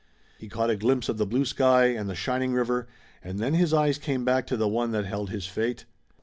He caught a glimpse of the blue sky and the shining river, and then his eyes came back to the one that held his fate.